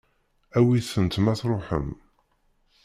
Awit-tent ma tṛuḥem.